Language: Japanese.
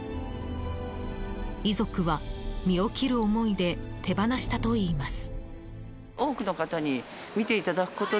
遺族は、身を切る思いで手放したといいます。